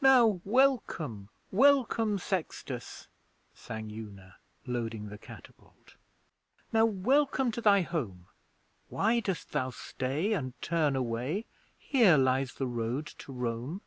'Now welcome welcome, Sextus,' sang Una, loading the catapult 'Now welcome to thy home! Why dost thou stay, and turn away? Here lies the road to Rome.'